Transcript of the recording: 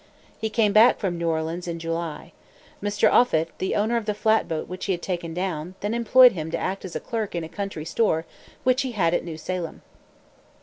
He came back from New Orleans in July. Mr. Offut, the owner of the flatboat which he had taken down, then employed him to act as clerk in a country store which he had at New Salem.